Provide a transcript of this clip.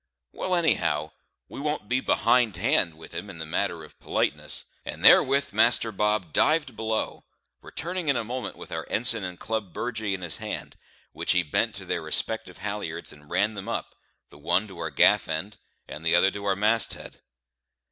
Well, anyhow, we won't be behindhand with him in the matter of politeness;" and therewith Master Bob dived below, returning in a moment with our ensign and club burgee in his hand, which he bent to their respective halliards and ran them up the one to our gaff end, and the other to our mast head.